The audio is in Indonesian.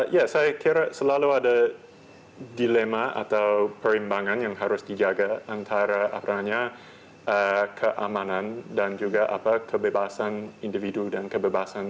ya saya kira selalu ada dilema atau perimbangan yang harus dijaga antara keamanan dan juga kebebasan individu dan kebebasan